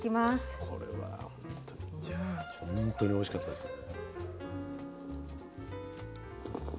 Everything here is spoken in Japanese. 本当においしかったです。